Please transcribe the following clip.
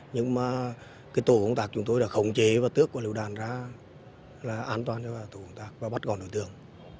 nhưng mà cái tổ công tác chúng tôi đã khống chế và tước quả lựu đạn ra là an toàn cho tổ công tác và bắt gọn đối tượng